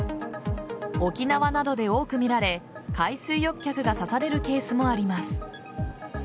沖縄などで多く見られ海水浴客が刺されるケースもあります。